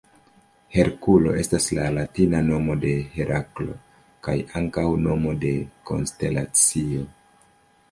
Herkulo estas la latina nomo de Heraklo kaj ankaŭ nomo de konstelacio.